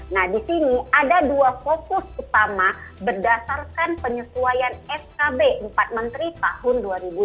nah di sini ada dua fokus utama berdasarkan penyesuaian skb empat menteri tahun dua ribu dua puluh